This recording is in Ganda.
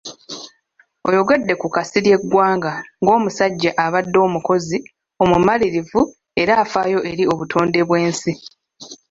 Ayogedde ku Kasirye Ggwanga ng'omusajja abadde omukozi, omumalirivu era afaayo eri obutonde bwensi.